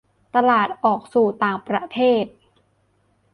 ตลาดออกสู่ต่างประเทศ